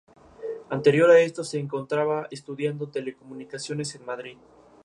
La primera preparatoria federal por cooperación se fundó en Piedras Negras, Coahuila.